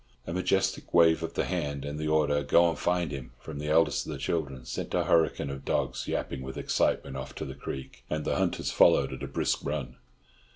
A majestic wave of the hand, and the order "Go and find him!" from the eldest of the children, sent a hurricane of dogs yapping with excitement off to the creek, and the hunters followed at a brisk run.